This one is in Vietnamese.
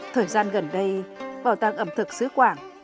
thời gian gần đây bảo tàng ẩm thực sứ quảng